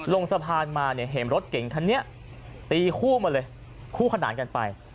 ลงสะพานมาเนี่ยเห็นรถเก่งคันนี้ตีคู่มาเลยคู่ขนานกันไป